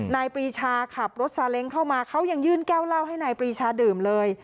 ปรีชาขับรถซาเล้งเข้ามาเขายังยื่นแก้วเหล้าให้นายปรีชาดื่มเลย